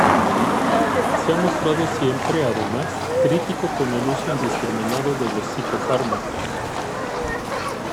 Se ha mostrado siempre, además, crítico con el uso indiscriminado de los psicofármacos.